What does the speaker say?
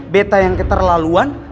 beta yang keterlaluan